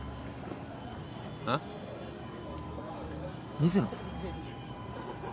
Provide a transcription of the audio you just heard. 水野？